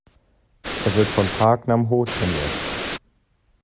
Er wird von Park Nam-ho trainiert.